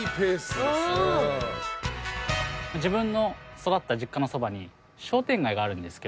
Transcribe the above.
自分の育った実家のそばに商店街があるんですけど。